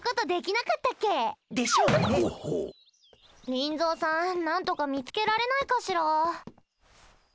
リンゾーさん何とか見つけられないかしら？